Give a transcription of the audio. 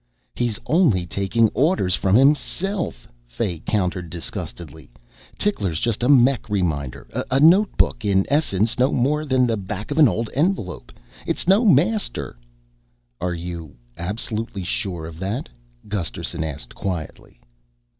"He's only taking orders from himself," Fay countered disgustedly. "Tickler's just a mech reminder, a notebook, in essence no more than the back of an old envelope. It's no master." "Are you absolutely sure of that?" Gusterson asked quietly.